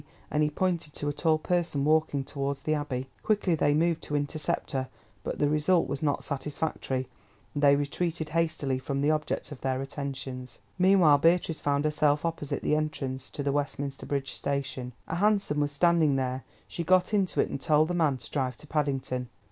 and he pointed to a tall person walking towards the Abbey. Quickly they moved to intercept her, but the result was not satisfactory, and they retreated hastily from the object of their attentions. Meanwhile Beatrice found herself opposite the entrance to the Westminster Bridge Station. A hansom was standing there; she got into it and told the man to drive to Paddington.